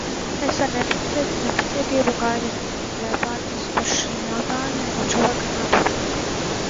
Es ar nepacietību gaidu debates par šiem jautājumiem gan šovakar, gan turpmāk.